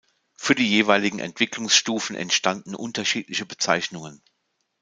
Für die jeweiligen Entwicklungsstufen entstanden unterschiedliche Bezeichnungen.